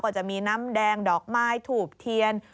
จะมีน้ำแดงดอกไม้ถูกเทียน